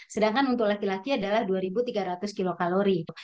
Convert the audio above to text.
sedangkan untuk laki laki adalah dua tiga ratus kilokalori